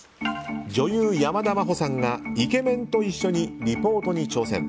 女優・山田真歩さんがイケメンと一緒にリポートに挑戦。